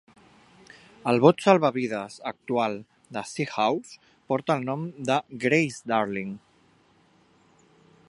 El bot salvavides actual de Seahouses porta el nom de "Grace Darling".